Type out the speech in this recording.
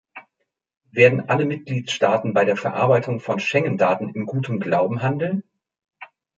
Werden alle Mitgliedstaaten bei der Verarbeitung von Schengen-Daten in gutem Glauben handeln?